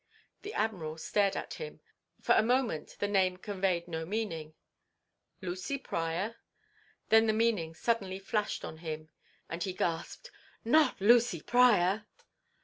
The Admiral stared at him. For a moment the name conveyed no meaning. "Lucy Pryor—?" Then the meaning suddenly flashed on him, and he gasped, "Not Lucy Pryor!"